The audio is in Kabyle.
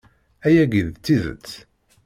Ayagi d tidet!